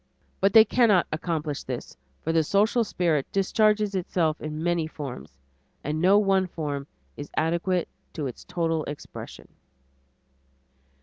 But they cannot accomplish this for the social spirit discharges itself in many forms, and no one form is adequate to its total expression.